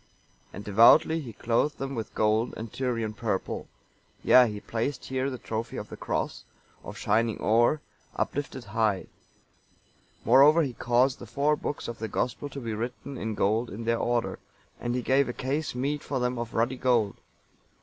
And devoutly he clothed them with gold and Tyrian purple; yea, and he placed here the trophy of the Cross, of shining ore, uplifted high; moreover he caused the four books of the Gospel to be written in gold in their order, and he gave a case meet for them of ruddy gold.